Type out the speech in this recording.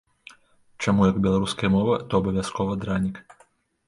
Чаму як беларуская мова, то абавязкова дранік?